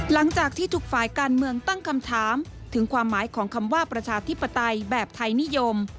หลังจากที่ทุกฝ่ายการเมืองตั้งคำถามถึงความหมายของคำว่าประชาธิปไตยแบบไทยนิยม